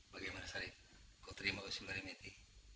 bagaimana syarif kau terima usul dari metti